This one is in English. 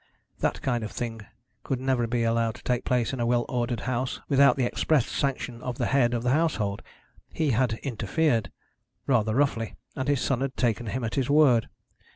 That kind of thing could never be allowed to take place in a well ordered house without the expressed sanction of the head of the household. He had interfered, rather roughly; and his son had taken him at his word.